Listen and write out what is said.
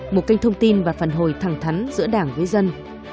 một kênh thông tin và phản hồi thẳng thắn giữa đảng với dân